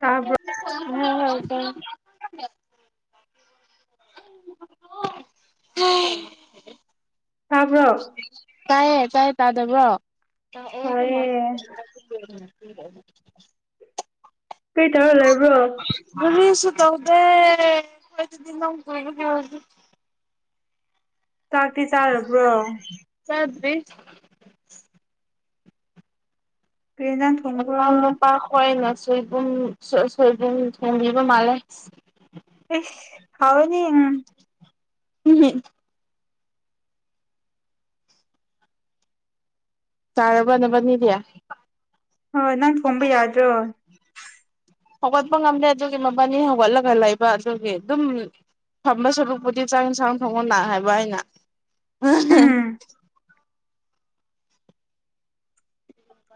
ꯇꯥꯕ꯭ꯔꯣ ꯎꯝ ꯍ ꯇ ꯍꯝ ꯊꯥꯕ꯭ꯔꯣ ꯇꯥꯏꯌꯦ ꯇꯥꯏꯌꯦ ꯇꯥꯗꯕ꯭ꯔꯣ ꯎ ꯐꯔꯦ ꯀꯩ ꯇꯧꯔ ꯂꯩ ꯀꯔꯤꯁꯨ ꯇꯧꯗꯦ ꯑꯩ ꯆ ꯀ ꯀꯗꯨ ꯆꯥꯛꯇꯤ ꯆꯥꯔꯕ꯭ꯔꯣ ꯆꯥꯗꯔ꯭ꯤ ꯀꯔꯤ ꯏꯟꯖꯥꯡ ꯊꯣꯡꯕ꯭ꯔꯣ ꯑꯉꯥꯡ ꯃꯄꯥ ꯍꯣꯏ ꯉꯁꯤ ꯁꯣꯏꯕꯨꯝ ꯁꯣꯏꯕꯨꯝ ꯊꯣꯡꯕꯤꯕ ꯃꯥꯜꯂꯦ ꯏ ꯍꯥꯎꯔꯥꯅꯤ ꯎꯝ ꯎꯝ ꯍꯝ ꯆꯥꯔꯕ ꯅꯕꯅꯤꯗꯤ ꯍꯣꯏ ꯅꯪ ꯊꯣꯡꯕ ꯌꯥꯗ꯭ꯔꯣ ꯍꯧꯒꯠꯄ ꯉꯝꯗꯦ ꯑꯗꯨꯒꯤ ꯃꯕꯅꯤ ꯍꯧꯒꯠꯂꯒ ꯂꯩꯕ ꯑꯗꯨꯒꯤ ꯑꯗꯨꯝ ꯐꯝꯕ ꯁꯔꯨꯛꯄꯨꯗꯤ ꯆꯥꯛ ꯏꯟꯁꯥꯡ ꯊꯣꯡꯉꯣ ꯂꯥꯛ ꯍꯥꯏꯕ ꯑꯩꯅ ꯎꯝ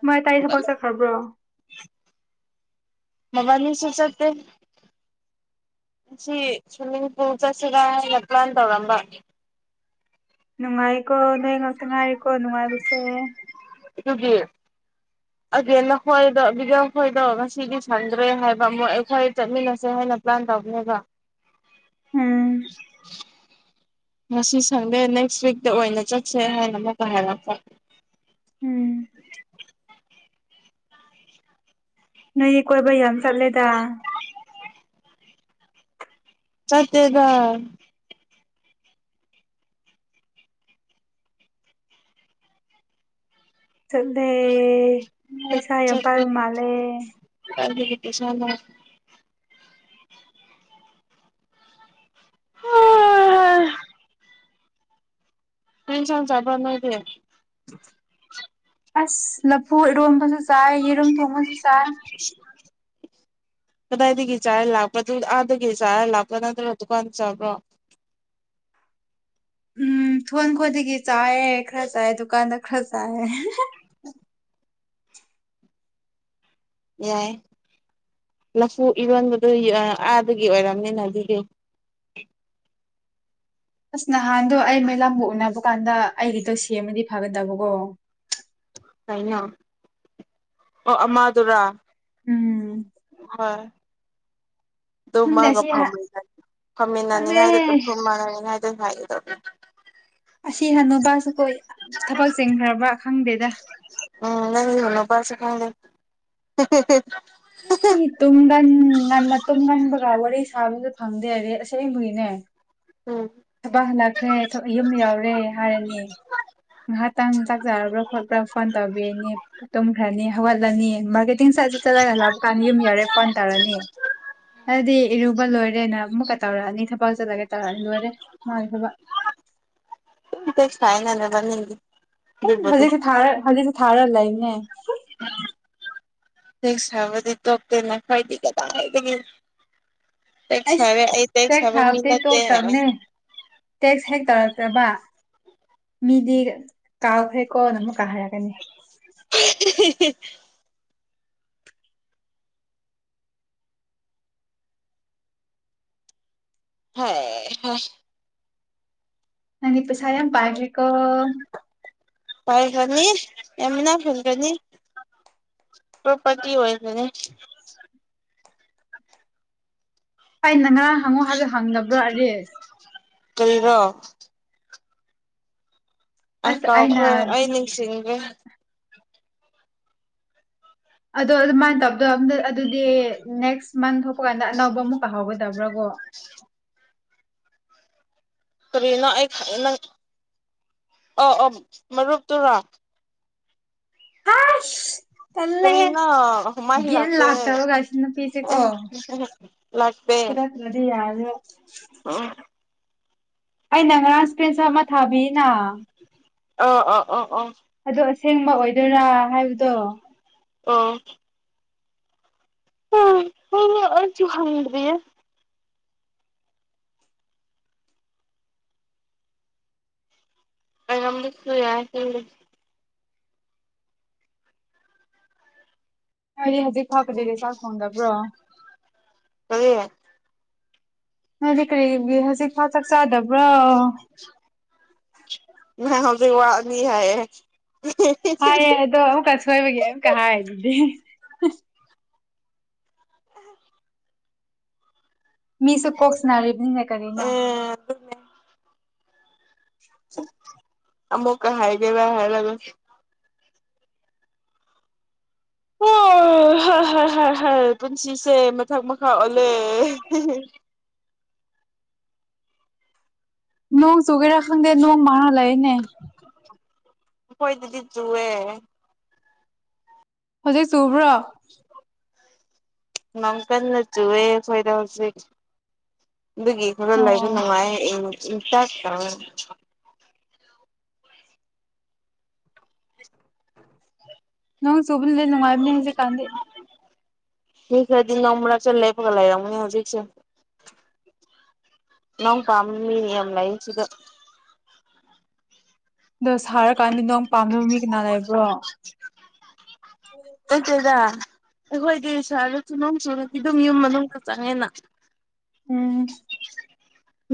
ꯃꯥꯏ ꯇꯥꯏ ꯊꯕꯛ ꯍꯧꯒꯠꯂꯦ ꯆꯠꯈ꯭ꯔꯕ꯭ꯔꯣ ꯃꯕꯅꯤꯁꯨ ꯆꯠꯇꯦ ꯁꯤ ꯁ꯭ꯋꯤꯃꯤꯡ ꯄꯨꯜ ꯆꯠꯁꯤꯔ ꯍꯥꯏꯅ ꯄ꯭ꯂꯥꯟ ꯇꯧꯔꯝꯕ ꯅꯨꯡꯉꯥꯏꯀꯣ ꯅꯣꯏ ꯉꯥꯛꯇ ꯉꯥꯏꯔꯦꯀꯣ ꯅꯨꯡꯉꯥꯏꯕꯁꯦ ꯑꯗꯨꯒꯤ ꯑꯒꯦꯟ ꯅꯈꯣꯏꯗꯣ ꯕꯤꯒꯡꯈꯣꯏꯗꯣ ꯉꯁꯤꯗꯤ ꯁꯪꯗ꯭ꯔꯦ ꯍꯥꯏꯕ ꯑꯃꯨꯛ ꯑꯩꯈꯣꯏ ꯆꯠꯃꯤꯟꯅꯁꯦ ꯍꯥꯏ ꯅ ꯄ꯭ꯂꯥꯟ ꯇꯧꯕꯅꯦꯕꯥ ꯎꯝ ꯉꯁꯤ ꯁꯪꯗꯦ ꯅꯦꯛꯁ ꯋꯤꯛꯇ ꯑꯣꯏꯅ ꯆꯠꯁꯦ ꯍꯥꯏꯅ ꯑꯃꯨꯛꯀ ꯍꯥꯏꯔꯛꯄ [inaudible] ꯎꯝ ꯅꯣꯏꯗꯤ ꯀꯣꯏꯕ ꯌꯥꯝ ꯆꯠꯂꯦꯗ ꯆꯠꯇꯦꯗꯥ ꯆꯠꯂꯦ ꯄꯩꯁꯥ ꯌꯥꯝ ꯆꯠꯇꯦ ꯄꯥꯏꯕ ꯃꯥꯂꯦ [unintelligible] [unintelligible] ꯀꯩ ꯏꯟꯁꯥꯡ ꯆꯥꯕ꯭ꯔꯥ ꯅꯣꯏꯗꯤ ꯑꯁ ꯂꯐꯨ ꯏꯔꯣꯝ ꯆꯥꯏ ꯌꯦꯔꯨꯝ ꯊꯣꯡꯕꯁꯨ ꯆꯥꯏ [inaudible] ꯀꯗꯥꯏꯗꯒꯤ ꯆꯥꯏꯔ ꯂꯥꯛꯄ꯭ꯔꯥ ꯑꯗꯨ ꯑꯥꯗꯒꯤ ꯆꯥꯏꯔ ꯂꯥꯛꯄ꯭ꯔꯥ ꯅꯠꯇ꯭ꯔꯒ ꯗꯨꯀꯥꯟꯗ ꯆꯥꯕ꯭ꯔꯣ ꯎꯝ ꯊꯣꯟ ꯈꯣꯟꯗꯒꯤ ꯆꯥꯏ ꯈꯔ ꯆꯥꯏ ꯗꯨꯀꯥꯟꯗ ꯈꯔ ꯆꯥꯏ ꯌꯥꯏ ꯂꯐꯨ ꯏꯔꯣꯟꯕꯗꯨ ꯑꯥꯗꯒꯤ ꯑꯣꯏꯔꯕꯝꯅꯤꯅ ꯑꯗꯨꯗꯤ ꯑꯁ ꯅꯍꯥꯟꯗꯣ ꯑꯩ ꯃꯩꯂꯥꯕꯨ ꯎꯅꯕ ꯀꯥꯟꯗ ꯑꯩꯒꯤꯗꯣ ꯁꯦꯝꯃꯗꯤ ꯐꯒꯗꯕꯀꯣ ꯀꯩꯅ ꯑꯣ ꯑꯃꯗꯨꯔꯥ ꯎꯝ ꯍꯣꯏ ꯑꯗꯨꯝ ꯈꯪꯗꯦ ꯃꯥꯒ ꯁꯤ ꯐꯝꯃꯤꯟꯅꯅꯤ ꯈꯪꯗꯦ ꯐꯝꯃꯤꯟꯅꯅꯤꯉꯥꯏꯗ ꯑꯗꯨꯝ ꯊꯨꯝꯃꯅꯅꯤꯉꯥꯏꯗ ꯍꯥꯏꯒꯗꯕꯅꯤ ꯑꯁꯤ ꯍꯟꯅꯨꯄꯥꯁꯨ ꯀꯣ ꯊꯕꯛ ꯆꯦꯟꯈ꯭ꯔꯕ꯭ꯔꯥ ꯈꯪꯗꯦꯗ [unintelligible] [inaudible] ꯇꯨꯡꯒꯥꯟ ꯉꯅ ꯇꯨꯡꯒꯥꯟ ꯒ ꯋꯥꯔꯤ ꯋꯥꯔꯤꯁ ꯐꯪꯗꯦ ꯔꯦ ꯑꯁꯦꯡꯕꯨꯒꯤꯅꯦ ꯎꯝ ꯊꯕꯛ ꯍꯜꯂꯛꯈ꯭ꯔꯦ ꯌꯨꯝ ꯌꯥꯎꯔꯦ ꯍꯥꯏꯔꯅꯤ ꯉꯥꯏꯍꯥꯛꯇꯪ ꯌꯥꯔꯕ꯭ꯔꯥ ꯈꯣꯠꯄ꯭ꯔꯥ ꯐꯣꯟ ꯇꯥꯕꯤꯔꯅꯤ ꯇꯨꯝꯈ꯭ꯔꯅꯤ ꯍꯧꯒꯠꯂꯅꯤ ꯃꯥꯔꯀꯦꯇꯤꯡ ꯁꯥꯏꯠꯁ ꯆꯠꯂꯒꯜꯂ ꯀꯥꯡ ꯌꯨꯝ ꯌꯥꯔꯦ ꯐꯣꯟ ꯇꯥꯔꯅꯤ ꯍꯥꯏꯗꯤ ꯏꯔꯨꯕ ꯂꯣꯏꯔꯦꯅ ꯑꯃꯨꯛꯀ ꯇꯧꯔꯛꯑꯅꯤ ꯊꯕꯛ ꯆꯠꯂꯒꯦ ꯇꯧꯔꯛꯑꯅꯤ ꯂꯣꯏꯔꯦ ꯃꯥꯒꯦ ꯊꯕꯛ ꯕꯦꯛꯁꯥꯏꯅꯅꯦ ꯅꯤꯗꯤ ꯍꯧꯖꯤꯛꯁꯨ ꯍꯧꯖꯤꯛꯁꯨꯦ ꯊꯥꯔ ꯂꯩꯅꯦ ꯁꯥꯕꯗꯤ ꯇꯣꯛꯇꯦꯅ ꯈꯗꯤ ꯀꯗꯥꯏ ꯍꯥꯏꯒꯦ ꯑꯩꯁ ꯇꯁꯕꯦ ꯑꯩ ꯇ ꯇꯦꯛꯁ ꯁꯕ ꯊꯥꯕꯗꯤ ꯃꯂ ꯍꯥꯏꯕ ꯇꯣꯛꯇꯕꯅꯦ ꯇꯦꯛꯁ ꯍꯦꯛ ꯇꯧꯔꯛꯇꯕ ꯃꯤꯗꯤ ꯀꯥꯎ ꯍꯦꯛ ꯀꯣ ꯅ ꯑꯃꯨꯛꯀꯥ ꯍꯥꯏꯔꯛꯒꯅꯤ ꯍꯣꯏ ꯍ ꯀꯗꯤ ꯄꯁ ꯌꯥꯝ ꯄꯥꯏꯇꯔꯤꯀꯣ ꯄꯥꯏꯈꯅꯤ ꯌꯥꯝꯃꯅꯥ ꯐꯣꯟ ꯀꯅꯤ ꯄꯣꯄꯔꯇꯤ ꯑꯣꯏꯣꯏꯁꯅꯦ ꯑꯩꯅ ꯉꯔꯥꯡ ꯍꯪꯉꯣ ꯍꯥꯏꯕꯗꯣ ꯍꯪꯗꯕ꯭ꯔꯣ ꯑꯔꯦꯁ ꯀꯔꯥ ꯑ ꯑꯁ ꯑꯩꯅ ꯀꯥꯎꯈꯣꯏ ꯑꯩ ꯅꯤꯡꯁꯤꯡ꯭ꯔꯦ ꯑꯗꯣ ꯑꯗꯨꯃꯥꯏꯅ ꯇꯧꯗꯣ ꯑ ꯑꯗꯨꯗꯤ ꯅꯦꯛꯁ ꯃꯟ ꯊꯣꯛ ꯀꯥꯟꯗ ꯑꯅꯧꯕ ꯑꯃꯨꯛꯀ ꯍꯧꯥꯎꯒꯗꯕ꯭ꯔꯥ ꯀꯣ ꯀꯔꯤꯅꯣ ꯑꯩ ꯅꯪ ꯑ ꯑ ꯃꯔꯨꯞꯇꯨꯔꯥ ꯇꯜꯂ ꯍꯦ ꯀꯔꯤꯅꯣ ꯃꯥꯏ ꯒ ꯒꯤꯟ ꯂꯥꯛꯇꯦ ꯂꯥꯛꯇꯕꯒꯁꯤꯅ ꯄꯤꯤꯁꯦꯀꯣ ꯈꯨꯗ ꯌꯥ ꯑ ꯑꯩꯅ ꯉꯔꯥꯡꯥꯁ ꯄꯦꯟꯁ ꯑꯃ ꯊꯥꯕꯤꯅ ꯑ ꯑ ꯑꯣ ꯑꯣ ꯑꯗꯣ ꯑꯁꯦꯡꯕ ꯑꯣꯏꯗꯣꯏꯔꯥ ꯍꯥꯏꯕꯗꯣ ꯑꯣ ꯑ ꯍ ꯑ ꯆꯨꯍꯗꯤꯌꯦ ꯑꯁꯨ ꯌꯥ ꯍꯗꯤ ꯍꯧꯖꯤꯛ ꯐꯥꯄꯗꯗꯤ ꯆꯥꯛ ꯊꯣꯡꯗꯕ꯭ꯔꯣ ꯍꯥꯏꯗꯤ ꯀꯔꯤꯒꯤ ꯍꯧꯖꯤꯛ ꯐꯥ ꯆꯥꯛ ꯆꯥꯗꯕ꯭ꯔꯣ ꯋꯥꯅꯤ ꯍꯥꯏ ꯍꯥꯏꯌꯦꯦ ꯑꯗꯣ ꯑꯃꯨꯛꯀ ꯑꯁꯣꯏꯕꯒꯤ ꯑꯃꯨꯛꯀ ꯍꯥꯏ ꯑꯗꯨꯗꯤ ꯃꯤꯁꯨ ꯀꯣꯛꯁꯅꯥꯔꯤꯕꯅꯤꯅ ꯀꯔꯤꯅꯣ ꯑꯦ ꯑꯗꯨꯅꯦ [inaudible] ꯑꯃꯃꯨꯛꯀ ꯍꯥꯏꯗꯦꯕ ꯍꯥꯏ ꯂꯒ ꯑꯣ ꯍꯣꯏ ꯍꯣꯏ ꯍꯣꯏ ꯍꯣꯏ ꯄꯨꯟꯁꯤꯁꯦ ꯊꯛ ꯃꯈ ꯈꯥꯂꯦ ꯅꯣꯡ ꯆꯨꯒꯦꯔꯥ ꯈꯪꯗꯦ ꯅꯣꯡ ꯃꯅꯜꯂꯛꯅꯦ ꯍꯣꯏꯗꯤꯗꯤ ꯖꯨꯋ ꯍꯧꯖꯤꯛ ꯆꯨꯕ꯭ꯔꯣ [inaudible] ꯃꯪꯀꯜ ꯅꯖꯨꯋ ꯐꯥꯏꯗ ꯍꯧꯁ ꯑꯗꯨꯒꯤ ꯈꯔ ꯂꯩꯁꯨ ꯑꯣ ꯅꯨꯡꯉꯥꯏ ꯆ ꯅꯪ ꯆꯨꯕꯅ ꯂꯩ ꯅꯨꯡꯉꯥꯏꯕꯅꯦ ꯍꯧꯁꯦ ꯀꯥꯟꯗꯩꯦ ꯊꯦ ꯑꯗꯨ ꯅ ꯃꯔꯥ ꯆꯂꯦ ꯄꯒ ꯂꯔꯅꯤꯁꯦ ꯅꯪ ꯀꯝꯃꯤ ꯌꯥꯝ ꯂꯩꯁꯤꯒ ꯑꯗꯣ ꯁꯥꯔꯀꯥꯟꯗꯤ ꯅꯣꯡ ꯄꯥꯝꯗꯕ ꯃꯤ ꯀꯅꯥ ꯂꯩꯕ꯭ꯔꯣ ꯑꯣꯗꯗ ꯑꯩꯈꯣꯏꯗꯤ ꯁꯍꯔꯗꯁꯨ ꯅꯣꯡ ꯆꯨꯅꯄꯤ ꯑꯗꯨꯝ ꯌꯨꯝ ꯃꯅꯨꯡꯗ ꯆꯪꯉꯦꯅ ꯎꯝ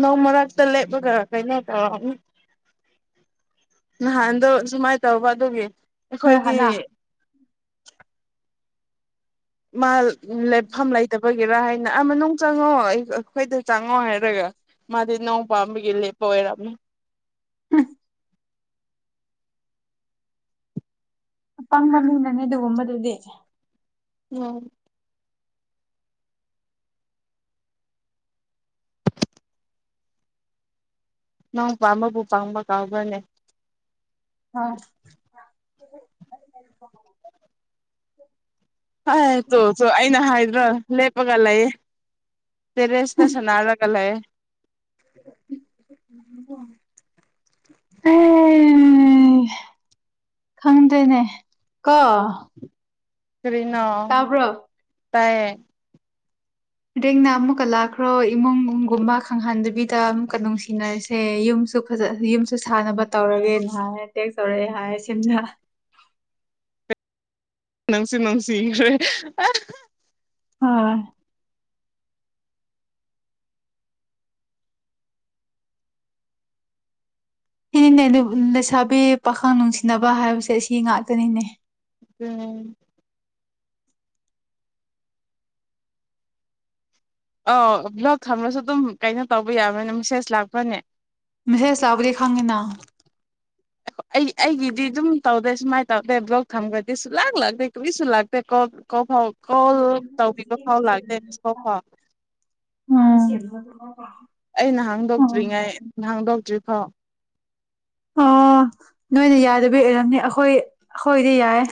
ꯅꯧ ꯃꯔꯛꯇ ꯂꯦꯞꯄꯒꯔ ꯀꯩꯅꯣ ꯇꯧꯔ ꯅꯍꯥꯟꯗꯣ ꯁꯨꯃꯥꯏꯅ ꯇꯧꯕ ꯑꯗꯨꯒꯤ ꯅꯣꯏ ꯑꯩꯈꯣꯏꯗꯤ ꯍꯥꯟꯅ ꯃꯥ ꯎꯝ ꯂꯦꯞꯐꯝꯐꯝ ꯂꯩꯇꯕ ꯒꯦꯔꯥ ꯍꯥꯏꯅ ꯃꯅꯨꯡ ꯆꯪꯉꯛꯑꯣ ꯑꯩ ꯑꯩꯈꯣꯏꯗ ꯆꯪꯉꯣ ꯍꯥꯏꯔꯒ ꯃꯥꯗꯤ ꯅꯣꯡ ꯄꯥꯝꯕꯒ ꯂꯩꯦ ꯄꯔꯝ ꯎꯝ ꯑ ꯄꯪꯕ ꯃꯤꯅꯅꯦ ꯑꯗꯨꯒꯨꯝꯕꯗꯨꯗꯤ ꯎꯝ ꯅꯪ ꯄꯥꯝꯕꯕꯨ ꯄꯥꯝꯕ ꯀꯥꯎꯕꯅꯦ ꯑꯣꯏ ꯍꯥꯏ ꯇꯣꯁꯨ ꯑꯩꯅ ꯍꯥꯏꯗ꯭ꯔꯣ ꯂꯦꯞꯄꯒ ꯂꯩꯌꯦ ꯇꯦꯔꯁ ꯇꯁ ꯅꯅꯥꯒꯂꯦ ꯑ ꯈꯪꯗꯅꯦ ꯀꯥ ꯀꯔꯤꯅꯣ ꯇꯥꯏ ꯔꯦꯡꯅ ꯑꯃꯨꯛꯀ ꯂꯥꯛꯈ꯭ꯔꯣ ꯏꯃꯨꯡꯒꯨꯝꯕ ꯈꯪꯍꯟꯗꯕꯤꯗ ꯑꯃꯨꯛꯀ ꯅꯨꯡꯁꯤꯅꯔꯁꯦ ꯌꯨꯝ ꯨ ꯐꯖ ꯌꯨꯝꯁꯨ ꯁꯥꯟꯅꯕ ꯇꯧꯔꯒꯦꯅ ꯍꯥꯏ ꯇꯦꯛ ꯇꯧꯔꯛꯑꯦ ꯍꯥꯏꯔꯦ ꯁꯤꯝꯅ [inaudible] ꯅꯪꯁꯤ ꯅꯪꯁꯤ ꯏ꯭ꯔꯦ ꯍꯣꯏ ꯁꯤꯅꯤꯅꯦ ꯑꯗꯨ ꯂꯩꯁꯥꯕꯤ ꯄꯥꯈꯪ ꯅꯨꯡꯁꯤꯅꯕ ꯍꯥꯏꯕꯁꯦ ꯑꯁꯤ ꯉꯥꯛꯇꯅꯤꯅꯦ ꯎꯝ ꯑꯧ ꯕ꯭ꯂꯣꯛ ꯊꯝꯂꯁꯨ ꯑꯗꯨꯝ ꯀꯩꯅꯣ ꯇꯧꯕ ꯌꯥꯕꯅꯤꯅ ꯃꯦꯁꯦꯖ ꯂꯥꯛꯄꯅꯦ ꯃꯦꯁꯦꯖ ꯂꯥꯛꯄꯗꯤ ꯈꯡꯉꯦꯅ ꯑꯩ ꯑꯩꯒꯤꯗꯤ ꯑꯗꯨꯝ ꯇꯧꯗꯦ ꯁꯨꯃꯥꯏꯅ ꯇꯧꯗꯦ ꯕ꯭ꯂꯣꯛ ꯊꯝꯈ꯭ꯔꯗꯤ ꯁꯨꯡ ꯂꯥꯛ ꯂꯥꯛꯇꯦ ꯀꯔꯤꯁꯨ ꯂꯥꯛꯇꯦ ꯀꯣꯜ ꯀꯣꯜ ꯐꯥꯎ ꯀꯣꯜ ꯇꯧꯕꯤꯕ ꯐꯥꯎ ꯂꯥꯛꯇꯦ ꯃꯤꯁꯀꯣꯜ ꯐꯥꯎ ꯎꯝ ꯑꯩꯅ ꯍꯥꯡꯗꯣꯛꯇ꯭ꯔꯤꯉꯩ ꯍꯥꯡꯗꯣꯛꯇ꯭ꯔꯤꯐꯥꯎ ꯑꯣ ꯅꯣꯏꯅ ꯌꯥꯗꯕꯤ ꯑꯣꯏꯔꯝꯅꯤ ꯑꯩꯈꯣꯏ ꯑꯩꯈꯣꯏꯗꯤ ꯌꯥꯏꯌꯦ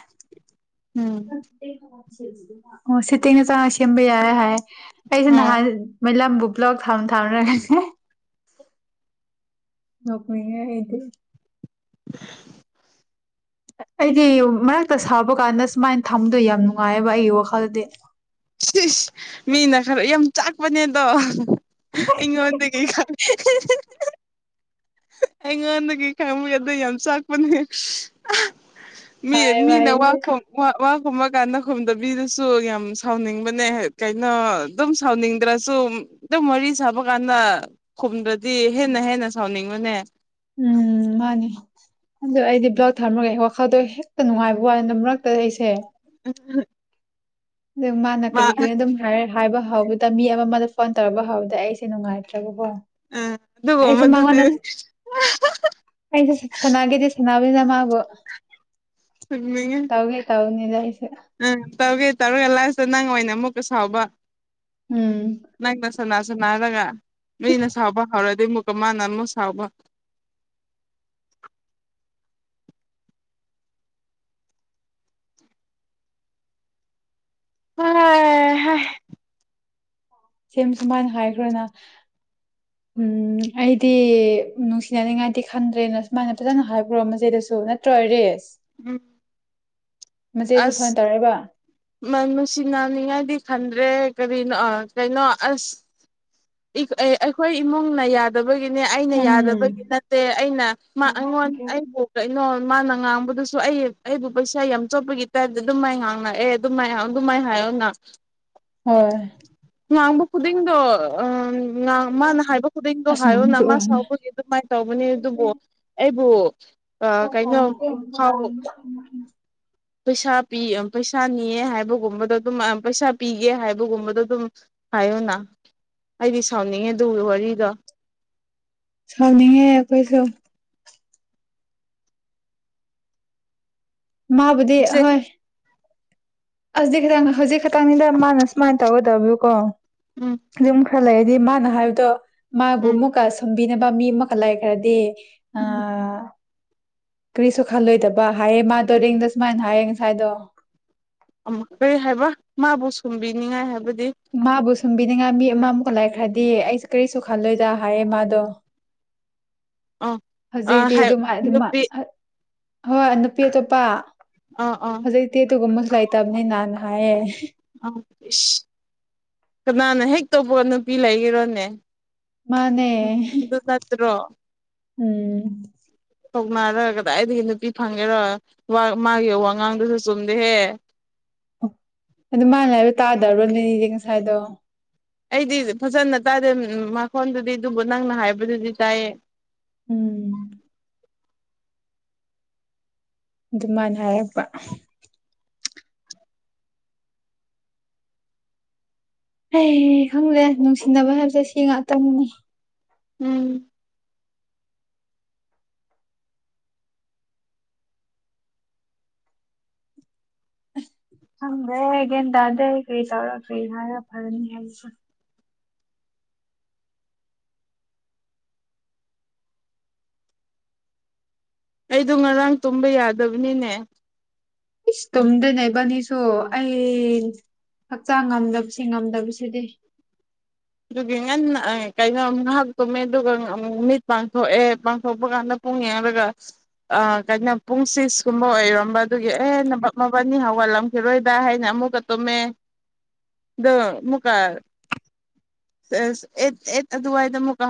ꯎꯝ ꯑꯣ ꯁꯦꯠꯇꯤꯡ ꯆꯡꯉꯒ ꯁꯦꯝꯕ ꯌꯥꯥꯏ ꯍꯥꯏꯌꯦ ꯑꯩꯁꯦ ꯑꯣ ꯅꯍꯥꯟ ꯃꯩꯂꯝꯕꯨ ꯕ꯭ꯂꯣꯛ ꯊꯝ ꯊꯝꯔꯒꯅꯦ ꯅꯣꯛꯅꯤꯡꯉꯦ ꯑꯩꯗꯤ [unintelligible] ꯑꯩꯗꯤ ꯃꯔꯛꯇ ꯁꯥꯎꯕ ꯀꯥꯟꯗ ꯁꯨꯃꯥꯏꯅ ꯊꯝꯕꯗꯣ ꯌꯥꯝ ꯅꯨꯡꯉꯥꯏꯌꯦꯕ ꯑꯩꯒꯤ ꯋꯥꯈꯜꯗꯤ ꯃꯤꯅ ꯈꯔ ꯌꯥꯝ ꯆꯥꯛꯄꯅꯦ ꯑꯗꯣ ꯑꯩꯉꯣꯟꯗꯒꯤ ꯈꯡꯉꯦ ꯑꯩꯉꯣꯟꯗꯒꯤ ꯈꯪꯉꯦ ꯑꯗꯨ ꯌꯥꯝ ꯆꯥꯛꯄꯅꯦ ꯃꯤ ꯅꯨꯡꯉꯥꯏꯌꯦꯕ ꯃꯤꯅ ꯑꯩꯗꯤ ꯋꯥꯈꯣ ꯋꯥ ꯈꯨꯝꯃꯀꯥꯟꯗ ꯈꯨꯝꯗꯕꯤꯗꯁꯨ ꯌꯥꯝ ꯁꯥꯎꯅꯤꯡꯕꯅꯦ ꯀꯩꯅꯣ ꯑꯗꯨꯝ ꯁꯥꯎꯅꯤꯡꯗ꯭ꯔꯁꯨ ꯑꯗꯨꯝ ꯋꯥꯔꯤ ꯁꯥꯕ ꯀꯥꯟꯗ ꯈꯨꯝꯗꯔꯗꯤ ꯍꯦꯟꯅ ꯍꯦꯟꯅ ꯁꯥꯎꯅꯤꯡꯕꯅꯦ ꯎꯝ ꯃꯥꯅꯤ ꯑꯗꯣ ꯑꯩꯗꯤ ꯕꯂꯣꯛ ꯊꯝꯔꯒ ꯑꯩ ꯋꯥꯈꯜꯗꯣ ꯍꯦꯛꯇ ꯅꯨꯡꯉꯥꯏꯕ ꯋꯥꯅꯤ ꯑꯗꯨꯗ ꯃꯔꯛꯇ ꯑꯩꯁꯦ ꯎꯝ ꯑꯗꯨ ꯃꯥꯅ ꯀꯔꯤ ꯀꯔꯤ ꯑꯗꯨꯝ ꯍꯥꯏꯔꯦ ꯍꯥꯏꯕ ꯍꯧꯕꯗ ꯃꯤ ꯑꯃꯃꯗ ꯐꯣꯟ ꯇꯧꯔꯛꯄ ꯍꯧꯕꯗ ꯑꯩꯁꯦ ꯅꯨꯡꯉꯥꯏꯇ꯭ꯔꯕꯀꯣ ꯑꯥ ꯑꯩꯁꯨ ꯑꯗꯨꯒꯨꯝꯕꯗꯨꯗꯤ ꯃꯥꯡꯉꯣꯟ ꯑꯩꯁꯨ ꯁꯥꯅꯒꯦꯗꯤ ꯁꯥꯅ ꯗ ꯃꯥꯕꯨ ꯇꯧꯒꯦ ꯇꯧꯕꯅꯤꯗ ꯑꯩꯁꯦ ꯎꯝ ꯇꯧꯒꯦ ꯇꯧꯔꯒ ꯂꯥꯁꯇ ꯅꯪ ꯑꯣꯏꯅ ꯑꯃꯨꯛꯀ ꯁꯥꯎꯕ ꯎꯝ ꯅꯪꯅ ꯁꯥꯅ ꯁꯥꯟꯅꯔꯒ ꯅꯣꯏꯅ ꯁꯥꯎꯕ ꯍꯧꯔ ꯑꯗꯨ ꯃꯨꯛꯀ ꯃꯥꯅ ꯑꯃꯨꯛ ꯁꯥꯎꯕ ꯑ ꯍꯦ ꯁꯤꯝ ꯁꯨꯃꯥꯏꯅ ꯍꯥꯏꯈ꯭ꯔꯣꯅ ꯎꯝ ꯑꯩꯗꯤ ꯅꯨꯡꯁꯤꯅꯅꯤꯡꯉꯥꯏꯗꯤ ꯈꯟꯗ꯭ꯔꯦꯅ ꯁꯨꯃꯥꯏꯅ ꯐꯖꯅ ꯍꯥꯏꯈꯔꯣ ꯃꯆꯦꯗꯁꯨ ꯅꯠꯇ꯭ꯔꯣ ꯔꯦꯁ ꯎꯝ ꯃꯆꯦꯁꯨ ꯐꯣꯟ ꯑꯁ ꯇꯧꯔꯛꯏꯕ ꯃꯥ ꯅꯨꯡꯁꯤꯅꯅꯤꯡꯉꯗꯤ ꯈꯟꯗ꯭ꯔꯦ ꯀꯔꯤꯅꯣ ꯀꯩꯅꯣ ꯑꯁ ꯑꯩꯈꯣꯏ ꯏꯃꯨꯡꯅ ꯌꯥꯗꯕꯒꯤ ꯑꯩꯅ ꯌꯥꯗꯕꯒꯤ ꯎꯝ ꯅꯠꯇꯦ ꯑꯩꯅ ꯃꯥ ꯑꯩꯉꯣꯟ ꯑꯩꯕꯨ ꯀꯩꯅꯣ ꯃꯥꯅ ꯉꯥꯡꯕ ꯑꯗꯨꯁꯨ ꯑꯩ ꯑꯩꯕꯨ ꯄꯩꯁꯥ ꯌꯥꯝ ꯆꯣꯞꯄꯒꯤ ꯇꯥꯏꯞꯇ ꯑꯗꯨꯝ ꯃꯥꯏ ꯉꯥꯡꯂꯛꯑꯦ ꯑꯗꯨꯃꯥꯏ ꯍꯥꯏ ꯑꯗꯨꯃꯥꯏ ꯍꯥꯏꯌꯣꯅ ꯍꯣꯏ ꯉꯥꯡꯕ ꯈꯨꯗꯤꯡꯗꯣ ꯃꯥꯅ ꯍꯥꯏꯕ ꯈꯨꯗꯤꯡꯗꯣ ꯑꯁ ꯍꯥꯏꯌꯣꯅ ꯑꯍꯨꯝꯁꯨ ꯃꯥ ꯑꯣꯏꯔꯝꯅꯤ ꯁꯥꯎꯕꯒꯤ ꯑꯗꯨꯃꯥꯏꯅ ꯇꯧꯕꯅꯤ ꯑꯗꯨꯕꯨ ꯑꯩꯕꯨ ꯀꯩꯅꯣ ꯐꯥꯎ [unintelligible] ꯄꯩꯁꯥ ꯄꯤ ꯄꯩꯁꯥ ꯅꯤꯌꯦ ꯍꯥꯏꯕꯒꯨꯝꯕꯗ ꯑꯗꯨꯝ ꯄꯩꯁꯥ ꯄꯤꯒꯦ ꯍꯥꯏꯕꯒꯨꯝꯕꯗꯣ ꯑꯗꯨꯝ ꯍꯥꯏꯌꯣꯅ ꯑꯩꯗꯤ ꯁꯥꯎꯅꯤꯡꯉꯦ ꯑꯗꯨꯒꯤ ꯋꯥꯔꯤꯗꯣ ꯁꯥꯎꯅꯤꯡꯉꯦ ꯑꯩꯈꯣꯏꯁꯨ ꯃꯥꯕꯨꯗꯤ ꯍꯧꯖꯤꯛ ꯍꯣꯏ ꯑꯁꯤ ꯍꯧꯖꯤꯛ ꯈꯛꯇꯪꯅꯤꯗ ꯃꯥꯅ ꯁꯨꯃꯥꯏꯅ ꯇꯧꯒꯗꯕꯨꯀꯣ ꯎꯝ ꯌꯨꯝ ꯈꯔ ꯂꯩꯔꯗꯤ ꯃꯥꯅ ꯍꯥꯏꯕꯗꯣ ꯃꯥꯕꯨ ꯎꯝ ꯑꯃꯨꯛꯀ ꯁꯨꯝꯕꯤꯅꯕ ꯃꯤ ꯑꯃꯨꯛꯀ ꯂꯩꯈ꯭ꯔꯗꯤ ꯎꯝ ꯑꯥ ꯀꯔꯤꯁꯨ ꯈꯜꯂꯣꯏꯗꯕ ꯍꯥꯏꯌꯦ ꯃꯥꯗꯣ ꯔꯦꯡꯗ ꯁꯨꯃꯥꯏꯅ ꯍꯥꯏꯌꯦ ꯉꯁꯥꯏꯗꯣ ꯀꯔꯤ ꯍꯥꯏꯕ ꯃꯥꯕꯨ ꯁꯨꯝꯕꯤꯅꯤꯉꯥꯏ ꯍꯥꯏꯕꯗꯤ ꯃꯥꯕꯨꯁ ꯊꯨꯝꯕꯤꯅꯤꯡꯉꯥꯏ ꯃꯤ ꯑꯃꯃꯨꯛꯀ ꯂꯥꯏꯈ꯭ꯔꯗꯤ ꯑꯩꯁꯨ ꯀꯔꯤꯁꯨ ꯈꯜꯂꯣꯏꯗ ꯍꯥꯏꯌꯦ ꯃꯥꯗꯣ ꯑꯥ ꯑꯥ ꯍꯧꯖꯤꯛꯇꯤ ꯍꯥꯏ ꯑꯗꯨꯝ ꯑꯗꯨꯝ ꯅꯨꯄꯤ ꯍꯣꯏ ꯅꯨꯄꯤ ꯑꯇꯣꯞꯄ ꯑꯥ ꯑꯥ ꯍꯧꯖꯤꯛꯇꯤ ꯑꯗꯨꯒꯨꯝꯕꯁꯨ ꯂꯩꯇꯕꯅꯤ ꯅ ꯍꯥꯏꯌꯦ ꯑꯥ ꯀꯅꯥꯅ ꯍꯦꯛ ꯇꯧꯕꯄꯒ ꯅꯨꯄꯤ ꯂꯩꯒꯔꯣꯅꯦ ꯃꯥꯅꯦ ꯎꯝ ꯊꯧꯅꯔꯒ ꯀꯗꯥꯏꯗꯒꯤ ꯅꯨꯄꯤ ꯐꯪꯉꯦꯔꯣ ꯃꯥꯒꯤ ꯋꯥꯉꯥꯡꯗꯨꯁꯨ ꯆꯨꯝꯗꯦꯍꯦ ꯑꯗꯨ ꯃꯥꯅ ꯍꯥꯏꯕ ꯇꯥꯗꯔꯣꯅꯦꯅꯤꯗꯤ ꯉꯁꯥꯏꯗꯣ ꯑꯩꯗꯤ ꯐꯖꯅ ꯇꯥꯗꯦ ꯃꯈꯣꯟꯗꯨꯗꯤ ꯑꯗꯨꯕꯨ ꯅꯪꯅ ꯍꯥꯏꯕꯗꯨꯗꯤ ꯆꯥꯏꯌꯦ ꯎꯝ ꯑꯗꯨꯃꯥꯏꯅ ꯍꯥꯏꯔꯛꯄ ꯍ ꯈꯪꯪꯂꯦ ꯅꯨꯡꯁꯤꯅꯕ ꯍꯥꯏꯕꯁꯦ ꯁꯤ ꯉꯇꯅꯤꯅꯤ ꯎꯝ ꯍꯪꯗꯦꯒꯦꯟ ꯇꯗꯦ ꯀꯔꯤ ꯇꯧꯔ ꯀꯔꯤ ꯍꯥꯏꯔ ꯐꯔꯅꯤ ꯍꯥꯏꯁꯨ ꯑꯩꯗꯣ ꯉꯔꯥꯡ ꯇꯨꯝꯕ ꯌꯥꯗꯕꯅꯤꯅꯦ ꯏꯁ ꯇꯨꯝꯗꯅꯦꯕꯅꯤꯁꯨ ꯑꯩ ꯍꯛꯆꯥꯡ ꯉꯝꯗꯕꯁꯤ ꯉꯝꯗꯕꯁꯤꯗꯤ ꯑꯗꯨꯒꯤ ꯉꯟꯅ ꯀꯩꯅꯣ ꯉꯥꯏꯍꯥꯛꯇꯨꯝꯃꯦ ꯑꯗꯨꯒ ꯃꯤꯠ ꯄꯥꯡꯊꯣꯛꯑꯦ ꯄꯥꯡꯊꯣꯛꯄ ꯀꯥꯟꯗ ꯄꯨꯨꯡꯉꯌꯥꯗꯒꯥꯁ ꯑ ꯀꯩꯅꯣ ꯄꯨꯡꯁꯤꯁꯀꯨꯝꯕ ꯑꯣꯏꯔꯝꯕ ꯑꯗꯨꯒꯤ ꯑꯦ ꯍꯦꯟꯅ ꯃꯕꯅꯤ ꯍꯧꯒꯠꯂꯝꯈꯤꯔꯣꯏꯗ ꯍꯥꯏꯅ ꯃꯀ ꯇꯣꯃꯦ ꯃꯀꯥ ꯑꯗꯨꯗꯨꯋꯥꯏꯗ ꯃꯨꯀꯥ